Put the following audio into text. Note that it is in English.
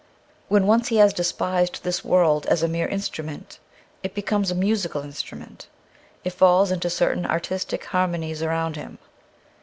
When once he has despised this world as a mere instrument, it becomes a musical instrument, it falls into certain artistic harmonies around him.